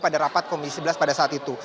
pada rapat komisi sebelas pada saat itu